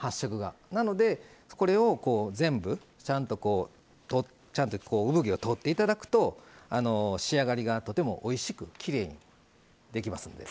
なのでこれを全部ちゃんとうぶ毛を取って頂くと仕上がりがとてもおいしくきれいにできますんで。